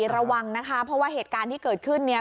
ระวังนะคะเพราะว่าเหตุการณ์ที่เกิดขึ้นเนี่ย